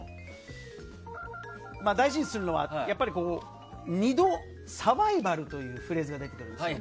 大事にするのは二度、サバイバルというフレーズが出てくるんですが。